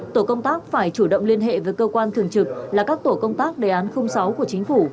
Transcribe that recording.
tổ công tác phải chủ động liên hệ với cơ quan thường trực là các tổ công tác đề án sáu của chính phủ